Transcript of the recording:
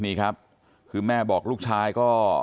นี่ครับคือแม่บอกลูกชายก็